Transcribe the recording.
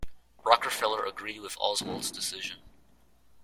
Rockefeller agreed with Oswald's decision.